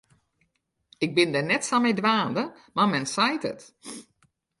Ik bin dêr net sa mei dwaande, mar men seit it.